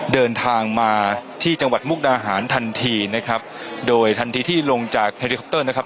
เดินทางมาที่จังหวัดมุกดาหารทันทีนะครับโดยทันทีที่ลงจากเฮลิคอปเตอร์นะครับ